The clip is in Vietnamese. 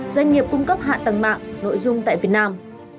doanh nghiệp cung cấp hạ tầng mạng nội dung tại việt nam